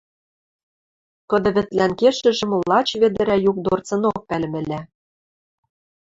Кыды вӹдлӓн кешӹжӹм лач ведӹрӓ юк дорцынок пӓлӹмӹлӓ.